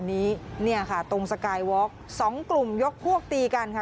นี้เนี่ยค่ะตรงสกายวอล์กสองกลุ่มยกพวกตีกันค่ะ